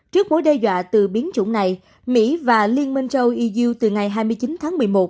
trước mối đe dọa từ biến chủng này mỹ và liên minh châu e u từ ngày hai mươi chín tháng một mươi một